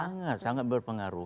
sangat sangat berpengaruh